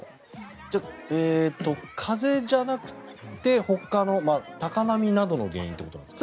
じゃあ、風じゃなくてほかの高波などの原因ということですか？